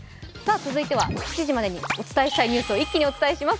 続いては７時までにお伝えしたいニュースを一気にお伝えします。